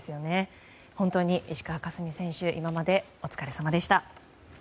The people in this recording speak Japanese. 本当に石川佳純選手今までお疲れさまでした。